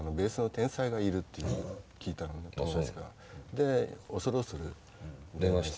で恐る恐る電話して。